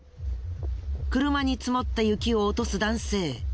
車に積もった雪を落とす男性。